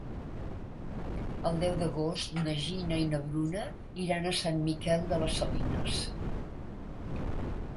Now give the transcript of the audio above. El deu d'agost na Gina i na Bruna iran a Sant Miquel de les Salines.